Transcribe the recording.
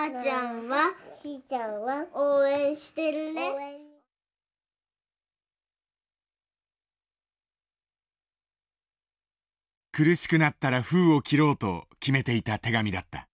苦しくなったら封を切ろうと決めていた手紙だった。